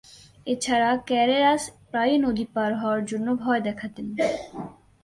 এছাড়া, ক্যারেরাস প্রায়ই নদী পার হওয়ার জন্য ভয় দেখাতেন।